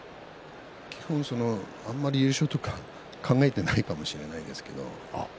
基本、あまり優勝とか考えていないかもしれないですけど。